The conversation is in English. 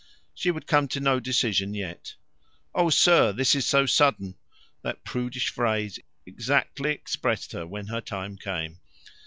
She would come to no decision yet. "Oh, sir, this is so sudden" that prudish phrase exactly expressed her when her time came.